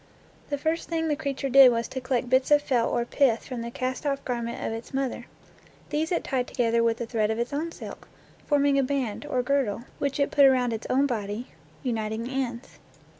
The first thing the creature did was to collect bits of felt or pith from the cast off garment of its mother. These it tied together with a thread of its own silk, forming a band, or girdle, which it put around its own body, uniting the ends.